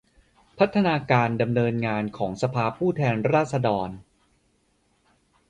พัฒนาการดำเนินงานของสภาผู้แทนราษฎร